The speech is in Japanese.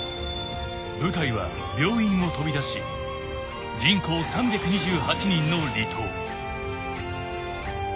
［病院を飛び出し人口３２８人の離島］